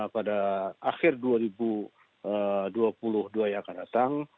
pada akhir dua ribu dua puluh dua yang akan datang